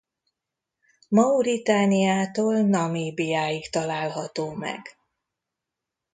Mauritániától Namíbiáig található meg.